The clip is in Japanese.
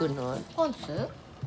パンツ？